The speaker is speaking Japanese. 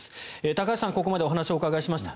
高橋さんにここまでお話をお伺いしました。